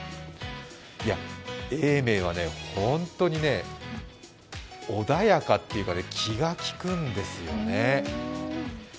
永明はね、本当に穏やかっていうか気が利くんですよね。